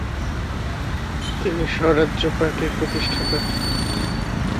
তিনি স্বরাজ্য পার্টি-র প্রতিষ্ঠাতা।